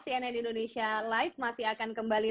cnn indonesia live masih akan kembali